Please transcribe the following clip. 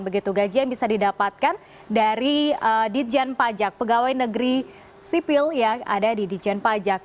begitu gaji yang bisa didapatkan dari ditjen pajak pegawai negeri sipil yang ada di dijen pajak